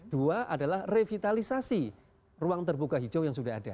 dua adalah revitalisasi ruang terbuka hijau yang sudah ada